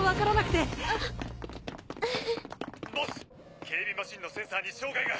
ボス警備マシンのセンサーに障害が！